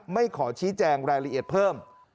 ไม่ขอชี้แจงรายละเอียดเพิ่ม